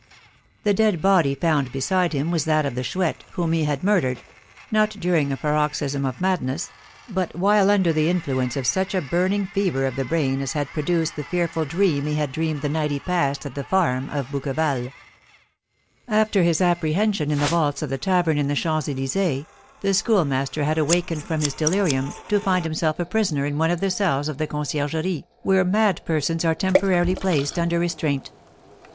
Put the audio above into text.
The dead body found beside him was that of the Chouette, whom he had murdered, not during a paroxysm of madness, but while under the influence of such a burning fever of the brain as had produced the fearful dream he had dreamed the night he passed at the farm of Bouqueval. After his apprehension in the vaults of the tavern in the Champs Elysées, the Schoolmaster had awakened from his delirium to find himself a prisoner in one of the cells of the Conciergerie, where mad persons are temporarily placed under restraint.